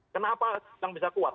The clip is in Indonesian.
kenapa tidak bisa kuat